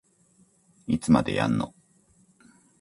いつまでやんの